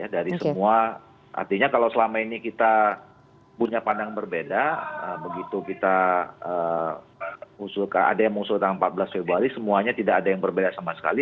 dari semua artinya kalau selama ini kita punya pandang berbeda begitu kita ada yang mengusul tanggal empat belas februari semuanya tidak ada yang berbeda sama sekali